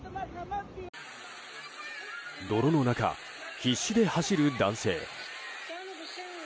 泥の中、必死で走る男性。